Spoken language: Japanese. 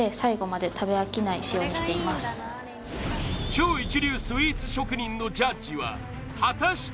超一流スイーツ職人のジャッジは果たして